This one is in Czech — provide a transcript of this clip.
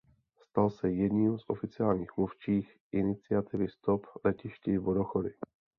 Stal se jedním z oficiálních mluvčích iniciativy Stop letišti Vodochody.